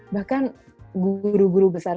bahkan guru guru besar saya di sana itu menolaknya